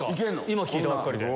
今聞いたばかりで。